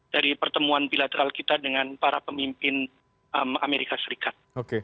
dari pertemuan bilateral kita dengan para pemimpin amerika serikat